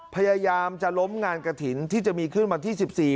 พยายามจะล้มงานกระถิ่นที่จะมีขึ้นวันที่๑๔